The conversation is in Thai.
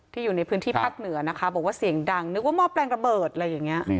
อยู่ในพื้นที่ภาคเหนือนะคะบอกว่าเสียงดังนึกว่าหม้อแปลงระเบิดอะไรอย่างนี้